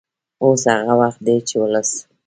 اوس هغه وخت دی چې ولس